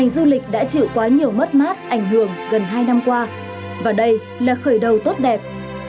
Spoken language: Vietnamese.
du lịch đã chịu quá nhiều mất mát ảnh hưởng gần hai năm qua và đây là khởi đầu tốt đẹp